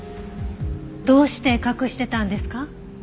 どうして隠してたんですか？